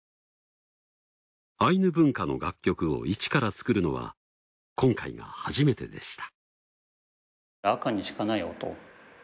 アイヌ文化の楽曲を一から作るのは今回が初めてでした。